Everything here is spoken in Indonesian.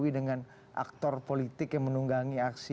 ini kan dengan aktor politik yang menunggangi aksi